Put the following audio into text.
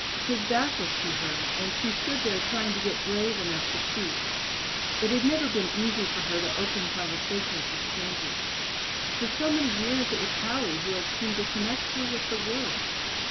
His back was to her, and she stood there trying to get brave enough to speak. It had never been easy for her to open conversations with strangers. For so many years it was Howie who had seemed to connect her with the world.